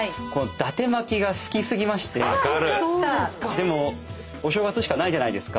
でもお正月しかないじゃないですか。